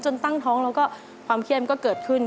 ตั้งท้องแล้วก็ความเครียดมันก็เกิดขึ้น